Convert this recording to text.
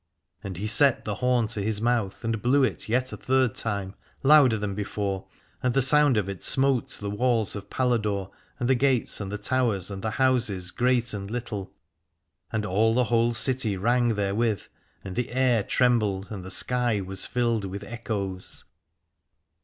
And he set the horn to his mouth and blew it yet a third time, louder than before, and the sound of it smote the walls of Paladore, and the gates and the towers and the houses great and little, and all the whole city rang therewith, and the air trem bled and the sky was filled with echoes.